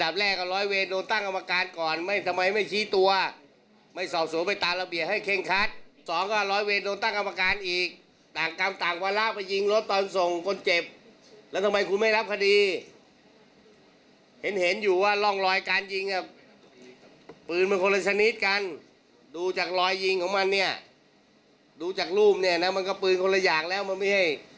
เพราะว่าถ้าอยากรูมเนี่ยมันก็ปืนคนละอย่างแล้วมันไม่ให้